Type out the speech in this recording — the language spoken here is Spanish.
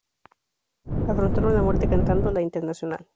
Afrontaron la muerte cantando "La Internacional".